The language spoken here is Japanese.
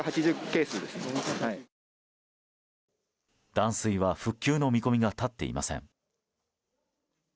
断水は復旧の見込みが立っていません。